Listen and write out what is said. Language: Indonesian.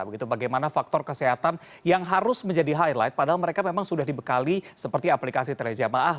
begitu bagaimana faktor kesehatan yang harus menjadi highlight padahal mereka memang sudah dibekali seperti aplikasi trajamaah